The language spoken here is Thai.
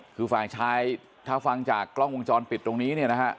คือฝ่ายชายถ้าฟังจากกล้องวงจรปิดตรงนี้เนี่ยนะฮะ